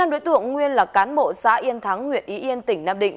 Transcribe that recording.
năm đối tượng nguyên là cán bộ xã yên thắng huyện ý yên tỉnh nam định